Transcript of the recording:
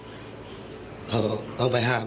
ฝ่ายกรเหตุ๗๖ฝ่ายมรณภาพกันแล้ว